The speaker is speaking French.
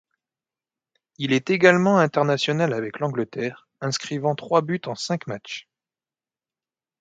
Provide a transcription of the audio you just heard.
Il est également international avec l'Angleterre, inscrivant trois buts en cinq matchs.